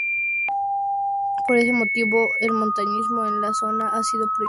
Por ese motivo el montañismo en la zona ha sido prohibido.